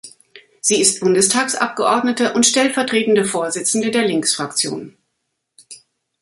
Sie ist Bundestagsabgeordnete und stellvertretende Vorsitzende der Linksfraktion.